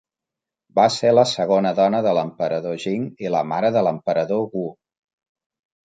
Va ser la segona dona de l'Emperador Jing i la mare de l'Emperador Wu.